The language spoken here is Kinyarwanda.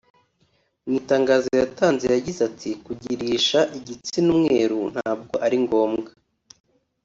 Mu itangazo yatanze yagize ati “Kugirisha igitsina umweru ntabwo ari ngombwa